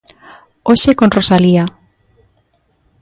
Hoxe con Rosalía.